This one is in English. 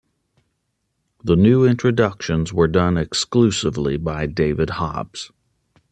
The new introductions were done exclusively by David Hobbs.